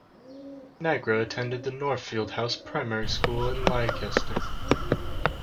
Nagra attended the Northfield House Primary School in Leicester.